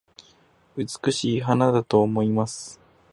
美しい花だと思います